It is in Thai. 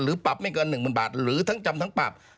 หรือปรับไม่กว่า๑บาทหรือทั้งจำทั้งปรับ